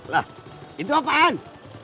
lah itu apaan